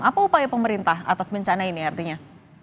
apa upaya pemerintah atas bencana ini artinya